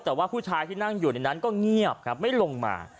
แต่ว่าผู้ชายที่นั่งอยู่ในนั้นก็เงียบครับไม่ลงมา